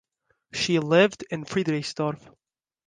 She lived in Friedrichsdorf.